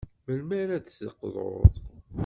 Melmi ara d-teqḍud?